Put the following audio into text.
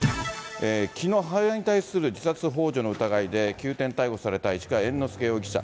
きのう、母親に対する自殺ほう助の疑いで、急転逮捕された市川猿之助容疑者。